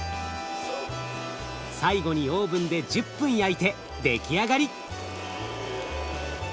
最後にオーブンで１０分焼いて出来上がり。